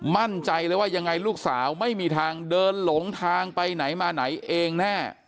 มั่นใจเลยว่ายังไงลูกสาวไม่มีทางเดินหลงทางไปไหนมาไหนเองแน่